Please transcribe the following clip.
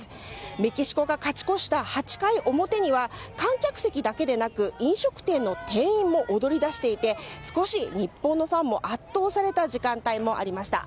メキシコが勝ち越した８回表には観客席だけでなく飲食店の店員も踊りだしていて少し日本のファンも圧倒された時間帯もありました。